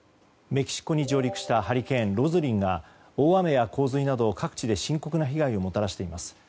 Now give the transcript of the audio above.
メキシコに上陸したハリケーン、ロズリンが大雨や洪水など各地で深刻な被害をもたらしています。